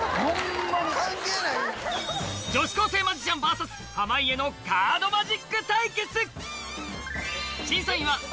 女子高生マジシャンのカードマジック対決！